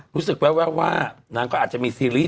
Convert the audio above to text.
รู้สึกแวะว่านางก็อาจจะมีซีรีส์